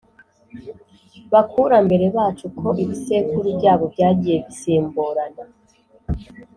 bakurambere bacu uko ibisekuru byabo byagiye bisimburana.